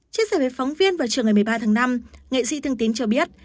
chia sẻ với phóng viên vào chiều ngày một mươi ba tháng năm nghệ sĩ thương tín cho biết